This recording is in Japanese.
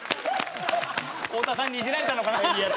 太田さんにいじられたのかな？